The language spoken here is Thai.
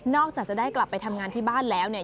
จากจะได้กลับไปทำงานที่บ้านแล้วเนี่ย